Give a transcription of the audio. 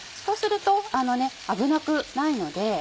そうすると危なくないので。